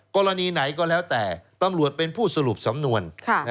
กรณีไหนก็แล้วแต่ตำรวจเป็นผู้สรุปสำนวน